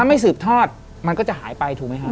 ถ้าไม่สืบทอดมันก็จะหายไปถูกมั้ยครับ